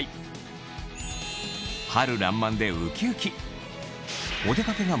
春らんまんでウキウキアイテム